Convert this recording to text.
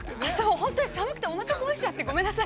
本当に寒くて、おなか壊しちゃって、ごめんなさい。